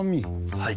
はい。